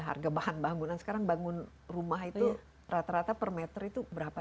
harga bahan bangunan sekarang bangun rumah itu rata rata per meter itu berapa